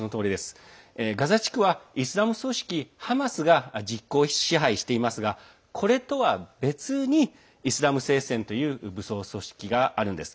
ガザ地区はイスラム組織ハマスが実効支配していますがこれとは別にイスラム聖戦という武装組織があるんです。